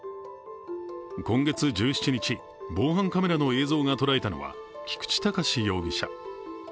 今月１７日、防犯カメラの映像が捉えたのは菊池隆容疑者。